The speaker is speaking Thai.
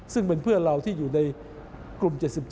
ซึ่งเป็นเพื่อนเราที่อยู่ในกลุ่ม๗๗